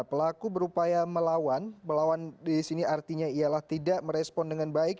pelaku berupaya melawan melawan di sini artinya ialah tidak merespon dengan baik